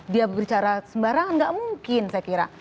dia berbicara sembarangan nggak mungkin saya kira